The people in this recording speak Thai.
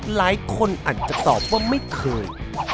หลายคนอาจจะตอบว่าไม่เคย